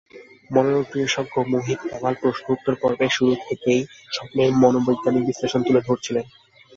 মনোরোগ বিশেষজ্ঞ মোহিত কামাল প্রশ্নোত্তর পর্বের শুরু থেকেই স্বপ্নের মনোবৈজ্ঞানিক বিশ্লেষণ তুলে ধরছিলেন।